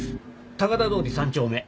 高田通り３丁目。